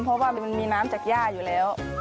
เพราะว่ามันมีน้ำจากย่าอยู่แล้ว